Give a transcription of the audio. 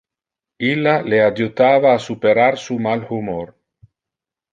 Illa le adjutava a superar su mal humor.